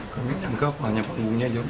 kami menganggap hanya panggungnya aja